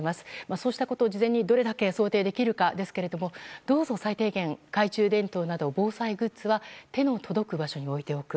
そうしたことを事前に想定できるかですがどうぞ最低限、懐中電灯などの防災グッズは手の届く場所に置いておく。